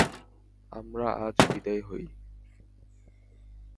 আমরা আজ বিদায় হই।